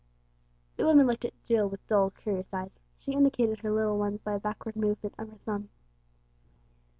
The woman looked at Jill with dull, curious eyes. She indicated her little ones by a backward movement of her thumb.